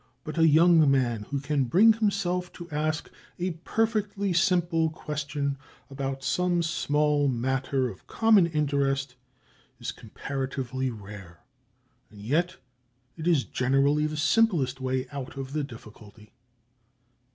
But a young man who can bring himself to ask a perfectly simple question about some small matter of common interest is comparatively rare; and yet it is generally the simplest way out of the difficulty.